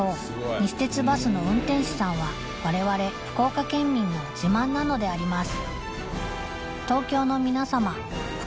西鉄バスの運転士さんはわれわれ福岡県民の自慢なのであります